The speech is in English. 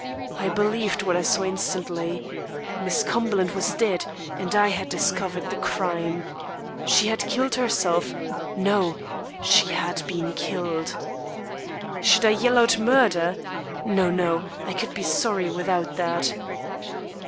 I believed what I saw instantly. Miss Cumberland was dead, and I had discovered the crime. She had killed herself no, she had been killed! Should I yell out murder? No, no; I could be sorry without that.